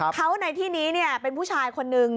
เขาในที่นี้เป็นผู้ชายคนนึง